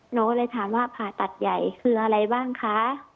หนูก็เลยถามว่าผ่าตัดใหญ่คืออะไรบ้างคะ